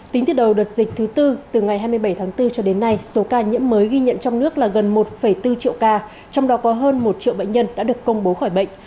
tính từ đầu đợt dịch thứ tư từ ngày hai mươi bảy tháng bốn cho đến nay số ca nhiễm mới ghi nhận trong nước là gần một bốn triệu ca trong đó có hơn một triệu bệnh nhân đã được công bố khỏi bệnh